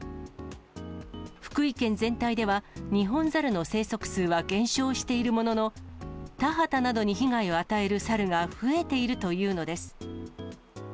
福井県全体では、ニホンザルの生息数は減少しているものの、田畑などに被害を与えるサルが増えているというのです。